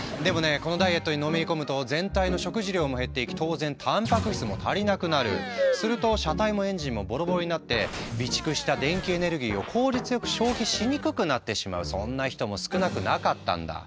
このダイエットにのめり込むと全体の食事量も減っていき当然すると車体もエンジンもボロボロになって備蓄した電気エネルギーを効率よく消費しにくくなってしまうそんな人も少なくなかったんだ。